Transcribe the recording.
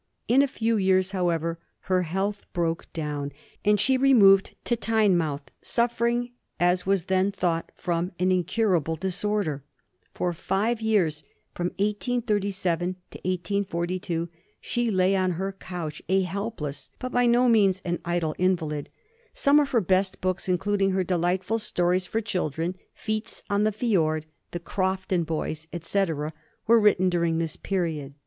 In a few years, however, her health broke down, and she removed to Tynemouth, suffering, as was then thought, from an incurable disorder. For five years (1837 42) she lay on her couch a helpless, but by no means an idle, invalid. Some of her best books, including her delightful stories for children, Feats on the Fiord, The Crofton Boys, etc., were written during this period.